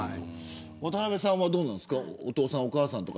渡邊さんは、どうですか。